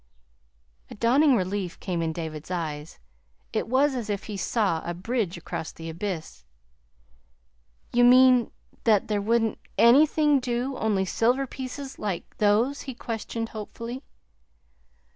A dawning relief came into David's eyes it was as if he saw a bridge across the abyss. "You mean that there wouldn't ANYTHING do, only silver pieces like those?" he questioned hopefully.